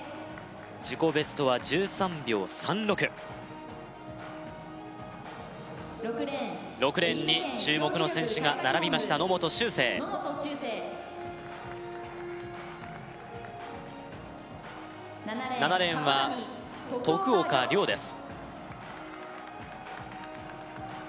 自己ベストは１３秒３６６レーンに注目の選手が並びました野本周成７レーンは徳岡凌です